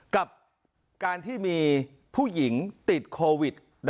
กับการที่มีผู้หญิงติดโควิด